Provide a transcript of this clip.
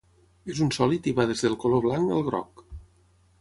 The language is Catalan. És un sòlid i va des del color blanc al groc.